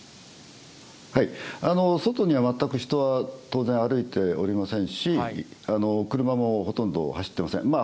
外には全く人は当然、歩いておりませんし、車もほとんど走ってません。